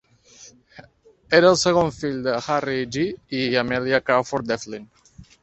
Era el segon fill de Harry G. i Amelia Crawford Devlin.